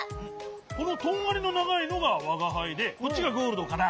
このとんがりのながいのがわがはいでこっちがゴールドかな？